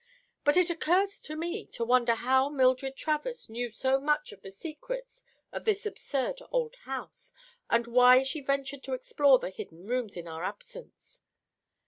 But it occurs to me to wonder how Mildred Travers knew so much of the secrets of this absurd old house and why she ventured to explore the hidden rooms in our absence.